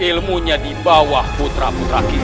ilmunya di bawah putra putra kita